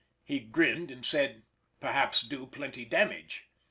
He grinned and said, "Perhaps do plenty damage."